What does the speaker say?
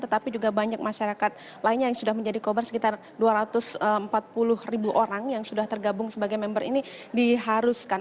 tetapi juga banyak masyarakat lainnya yang sudah menjadi kobar sekitar dua ratus empat puluh ribu orang yang sudah tergabung sebagai member ini diharuskan